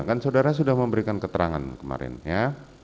kan saudara sudah memberikan keterangan kemarin ya